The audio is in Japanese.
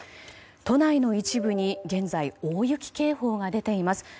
都内の一部に現在大雪警報が出ています。